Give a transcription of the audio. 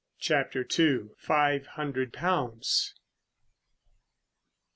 CHAPTER II. FIVE HUNDRED POUNDS.